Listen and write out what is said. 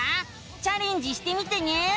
チャレンジしてみてね！